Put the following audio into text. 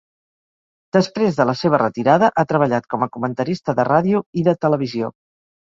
Després de la seva retirada, ha treballat com a comentarista de ràdio i de televisió.